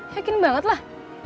yakin banget lah